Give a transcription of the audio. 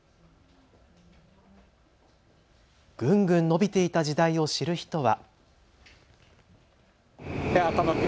ぐんぐん伸びていた時代を知る人は。